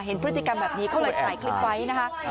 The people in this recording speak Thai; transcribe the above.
เห็นพฤติกรรมแบบนี้เขาเลยถ่ายคลิปไว้นะคะ